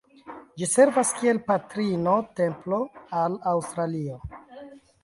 Ĝi servas kiel "Patrino-Templo" al Aŭstralio.